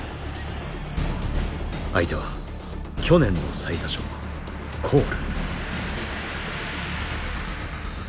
相手は去年の最多勝コール。